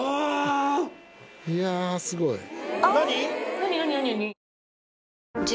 いやすごい。